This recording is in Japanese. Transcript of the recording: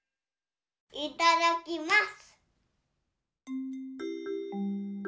いただきます。